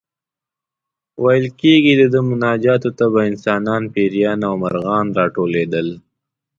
ویل کېږي د ده مناجاتو ته به انسانان، پېریان او مرغان راټولېدل.